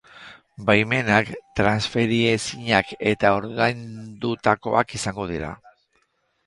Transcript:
Baimenak transferiezinak eta ordaindutakoak izango dira.